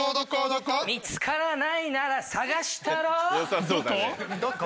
見つからないなら捜したろどこ？